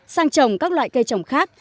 sang trồng các loại cây trồng khác